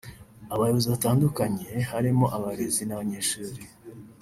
abayobozi batandukanye harimo abarezi n’abanyeshuri